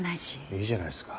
いいじゃないですか。